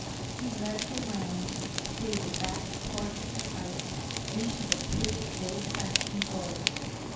He led her round through the back part of the house into the pretty old fashioned garden.